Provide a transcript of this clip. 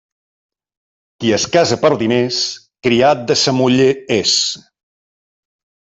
Qui es casa per diners, criat de sa muller és.